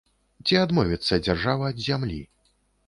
Ці адмовіцца дзяржава ад зямлі?